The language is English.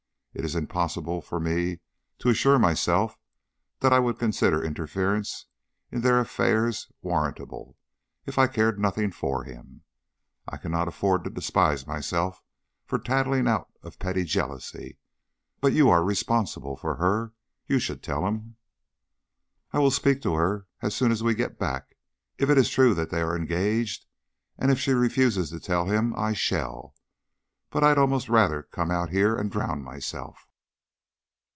It is impossible for me to assure myself that I would consider interference in their affairs warrantable if I cared nothing for him. I cannot afford to despise myself for tattling out of petty jealousy. But you are responsible for her. You should tell him." "I will speak to her as soon as we go back. If it is true that they are engaged, and if she refuses to tell him, I shall. But I'd almost rather come out here and drown myself."